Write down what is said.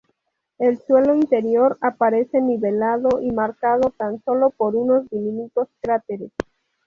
El suelo interior aparece nivelado y marcado tan solo por unos diminutos cráteres.